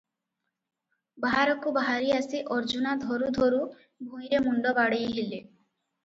ବାହାରକୁ ବାହାରି ଆସି ଅର୍ଜୁନା ଧରୁ ଧରୁ ଭୂଇଁରେ ମୁଣ୍ଡ ବାଡ଼େଇ ହେଲେ ।